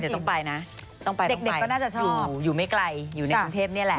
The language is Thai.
ต้องไปนะต้องไปอยู่ไม่ไกลอยู่ในกันเทพนี้แหละ